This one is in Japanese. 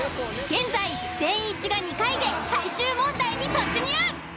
現在全員一致が２回で最終問題に突入！